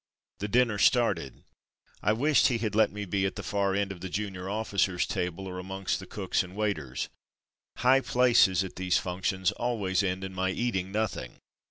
The dinner started. I wish he had let me be at the far end of the junior officers' table, or amongst the cooks and waiters. High places at these functions always end in my eating nothing.